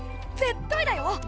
⁉絶対だよ